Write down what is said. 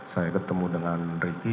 saya ketemu dengan ricky